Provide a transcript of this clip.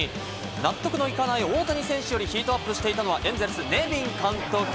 納得のいかない大谷より、ヒートアップしていたのはエンゼルスのネビン監督。